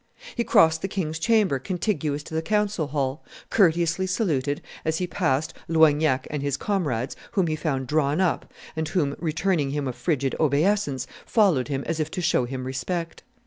He crossed the king's chamber contiguous to the council hall, courteously saluted, as he passed, Loignac and his comrades, whom he found drawn up, and who, returning him a frigid obeisance, followed him as if to show him respect.